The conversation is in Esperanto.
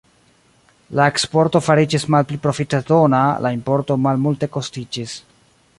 La eksporto fariĝis malpli profitdona, la importo malmultekostiĝis.